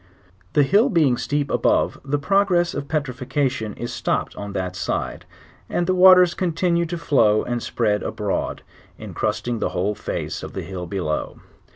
The hill being steep above the progress of petrifaction is stopped on that side, and the waters continue to flow and spread abroad, incrusting the whole face of the hill below.